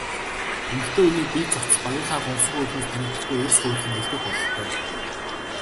Эмэгтэй хүний бие цогцос багынхаа гунхсан хөөрхнөөс танигдахгүй эрс хувирах нь элбэг бололтой.